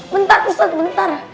bentar ustaz bentar